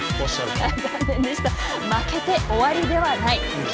負けて終わりではない。